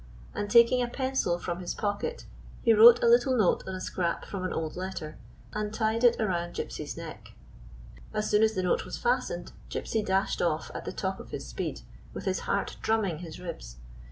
And, taking a pencil from his pocket, he wrote a little note on a scrap from an old letter, and tied it around Gypsy's neck. As soon as the note was fastened, Gypsy dashed off at the top of his speed, with his heart drumming his ribs.